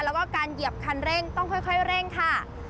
แล้วก็การเหยียบคันเร่งต้องค่อยเร่งค่ะ